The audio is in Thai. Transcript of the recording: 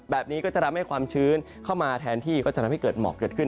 แบบนี้ก็จะทำให้ความชื้นเข้ามาแทนที่ก็จะทำให้เกิดหมอกเกิดขึ้น